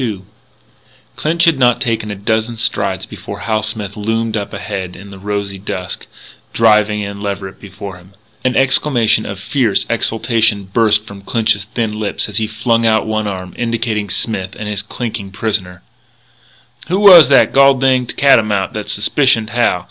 II Clinch had not taken a dozen strides before Hal Smith loomed up ahead in the rosy dusk, driving in Leverett before him. An exclamation of fierce exultation burst from Clinch's thin lips as he flung out one arm, indicating Smith and his clinking prisoner: "Who was that gol dinged catamount that suspicioned Hal?